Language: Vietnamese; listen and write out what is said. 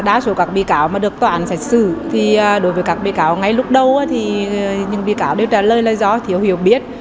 đa số các bị cáo mà được tòa án sạch sử thì đối với các bị cáo ngay lúc đầu thì những bị cáo đều trả lời là do thiếu hiểu biết